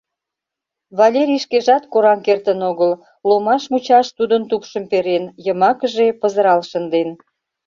Валерий шкежат кораҥ кертын огыл, ломаш мучаш тудын тупшым перен, йымакыже пызырал шынден...